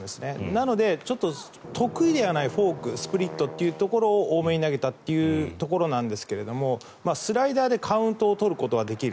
なので、ちょっと得意ではないフォーク、スプリットというところを多めに投げたというところなんですがスライダーでカウントを取ることはできる。